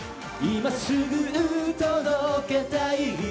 今すぐ届けたい。